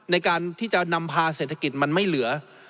ในการที่จะนำพาเศรษฐกิจมันไม่เหลือ